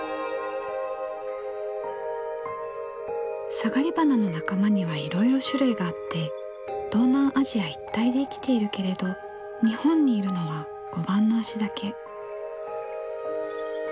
サガリバナの仲間にはいろいろ種類があって東南アジア一帯で生きているけれど日本にいるのはゴバンノアシだけ。